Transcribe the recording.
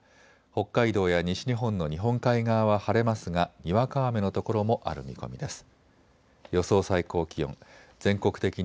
北海道や西日本の日本海側は晴れますがにわか雨の所もある見込みです。